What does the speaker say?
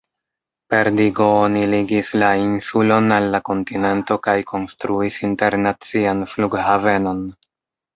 Per digo oni ligis la insulon al la kontinento kaj konstruis internacian flughavenon.